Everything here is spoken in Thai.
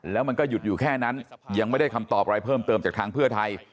แล้วมันก็หยุดอยู่แค่นั้นยังไม่ได้คำตอบอะไรเพิ่มเติมจากทางเพื่อไทย